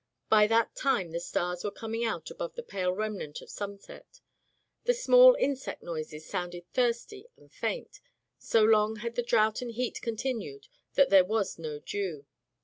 By that time the stars were coming out above the pale remnant of sunset. The small insect noises sounded thirsty and faint. So long had the drouth and heat continued that there was no dew.